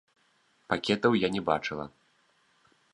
Пакетаў я не бачыла.